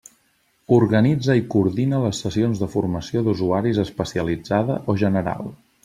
Organitza i coordina les sessions de formació d'usuaris especialitzada o general.